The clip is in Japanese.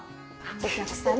お客さん